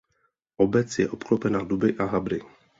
Obec je obklopena duby a habry.